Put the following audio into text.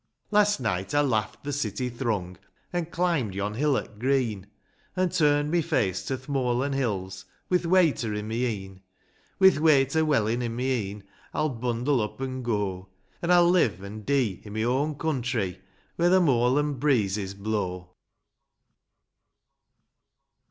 2 Last neet I laft the city thrung, An' climbed yon hillock green ; An' turned my face to th' moorlan' hills, Wi' th' vvayter i' my e'en ;^ Wi' th' wayter wellin' i' my e'en ;— I'll bundle up, an' go, An' I'll live an' dee i' my own countrie, Where the moorlan' breezes blow